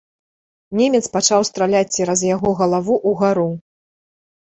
Немец пачаў страляць цераз яго галаву ўгару.